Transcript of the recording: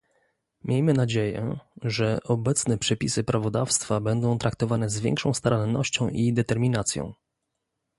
Miejmy nadzieję, że obecne przepisy prawodawstwa będą traktowane z większą starannością i determinacją